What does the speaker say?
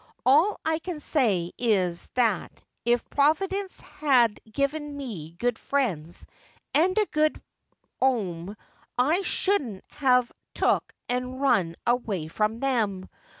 All I can say is that if Providence had given me good friends and a good 'ome I shouldn't have took and run away from them.